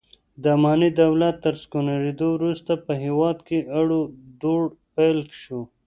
د اماني دولت تر نسکورېدو وروسته په هېواد کې اړو دوړ پیل شو.